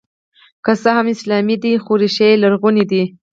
که څه هم اسلامي دی خو ریښې یې لرغونې دي